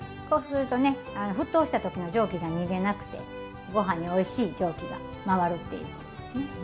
こうするとね沸騰した時の蒸気が逃げなくてご飯においしい蒸気が回るっていうことですね。